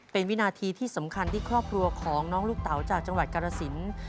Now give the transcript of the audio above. เป็นวินาทีที่สำคัญที่ครอบครัวของน้องลูกเต๋าจากจังหวัดกรสิน